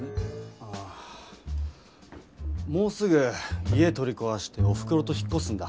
ああもうすぐ家取りこわしておふくろと引っこすんだ。